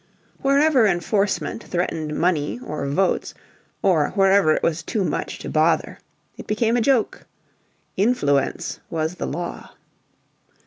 Wherever enforcement threatened Money or Votes or wherever it was too much to bother it became a joke. Influence was the law.